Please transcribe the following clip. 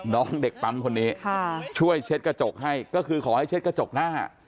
น้องเด็กปั๊มคนนี้ช่วยเช็ดกระจกให้ก็คือขอให้เช็ดกระจกหน้า